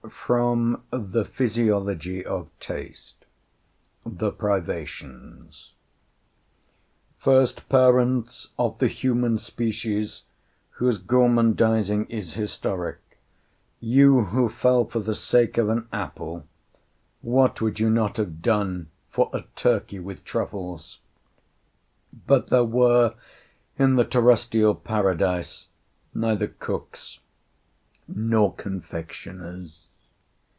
FROM THE 'PHYSIOLOGY OF TASTE' THE PRIVATIONS First parents of the human species, whose gormandizing is historic, you who fell for the sake of an apple, what would you not have done for a turkey with truffles? But there were in the terrestrial Paradise neither cooks nor confectioners.